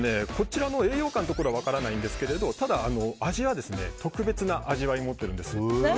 栄養価のところは分からないんですが、味は特別な味わいを持ってるんです。